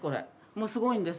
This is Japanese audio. もうすごいんです。